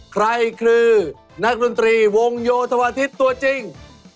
ใครคือนักดนตรีวงโยธวาทิศตัวจริง